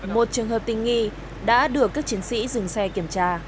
một trường hợp tình nghi đã được các chiến sĩ dừng xe kiểm tra